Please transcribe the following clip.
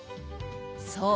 そう。